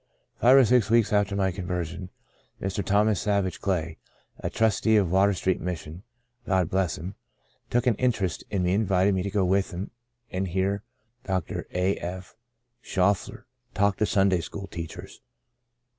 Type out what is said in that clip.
Five or six weeks after my conversion, Mr. Thomas Savage Clay, a trustee of Water Street Mission (God bless him !), took an in terest in me and invited me to go with him and hear Dr. A. F. Schauffler talk to Sunday school teachers.